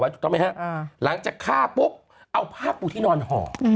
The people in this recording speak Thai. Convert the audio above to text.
ถูกต้องไหมฮะหลังจากฆ่าปุ๊บเอาผ้าปูที่นอนห่อ